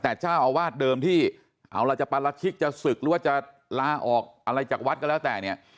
แต่เจ้าอาวาสเดิมที่เอาล่ะจะปรชิกจะศึกหรือว่าจะลาออกอะไรจากวัดก็แล้วแต่เนี่ย